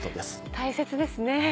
大切ですね。